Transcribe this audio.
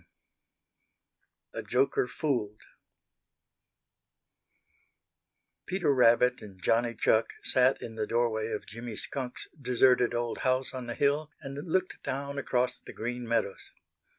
VII A JOKER FOOLED Peter Rabbit and Johnny Chuck sat in the doorway of Jimmy Skunk's deserted old house on the hill and looked down across the Green Meadows.